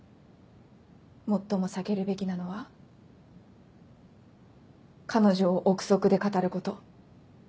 最も避けるべきなのは彼女を臆測で語ること。